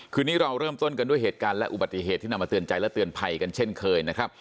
คืนนี้เราเริ่มต้นกันด้วยเหตุการณ์และอุบัติเหตุที่นำมาเตือนใจและเตือนภัยกันเช่นเคยนะครับ